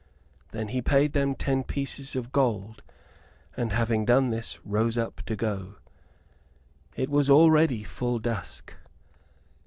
Then he paid them ten pieces of gold; and having done this, rose up to go. It was already full dusk.